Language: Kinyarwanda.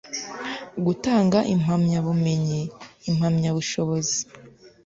gutanga impamyabumenyi impamyabushobozi